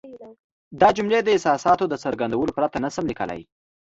دا جملې د احساساتو د څرګندولو پرته نه شم لیکلای.